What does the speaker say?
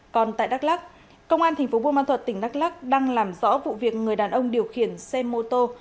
còn tại đắk lắc công an thành phố buôn ma thuật tỉnh đắk lắc đang làm rõ vụ việc người đàn ông điều khiển xe mô tô